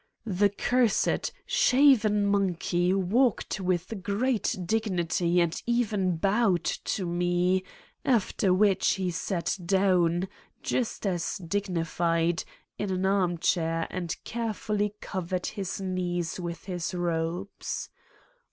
! The cursed, shaven monkey walked with great dignity and even bowed to me, after which he sat down, just as dignified, in an armchair and carefully covered his knees with his robes.